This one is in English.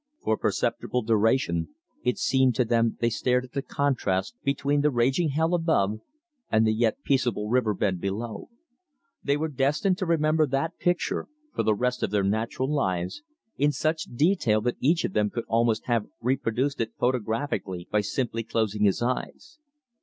For perceptible duration it seemed to them they stared at the contrast between the raging hell above and the yet peaceable river bed below. They were destined to remember that picture the rest of their natural lives, in such detail that each one of them could almost have reproduced it photographically by simply closing his eyes.